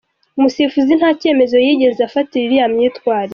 Umusifuzi nta cyemezo yigeze afatira iriya myitwarire.